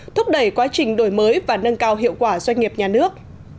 thúc đẩy quá trình đổi mới và nâng cao hiệu quả doanh nghiệp nhà nước